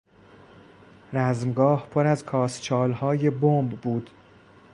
رزمگاه پر از کاسچالهای بمب بود.